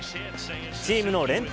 チームの連敗